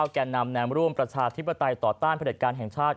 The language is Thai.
แก่นำแนมร่วมประชาธิปไตยต่อต้านผลิตการแห่งชาติ